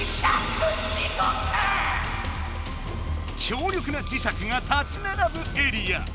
強力な磁石が立ちならぶエリア。